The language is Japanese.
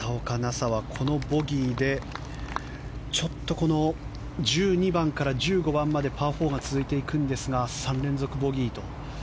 紗はこのボギーでちょっと、１２番から１５番までパー４が続いていくんですが３連続ボギーと。